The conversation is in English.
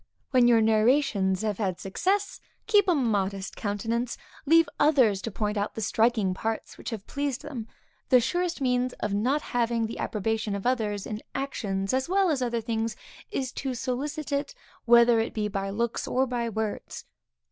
When your narrations have had success, keep a modest countenance; leave others to point out the striking parts which have pleased them. The surest means of not having the approbation of others, in actions as well as other things, is to solicit it, whether it be by looks, or by words.